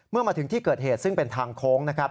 เมื่อมาถึงที่เกิดเหตุซึ่งเป็นทางโค้งนะครับ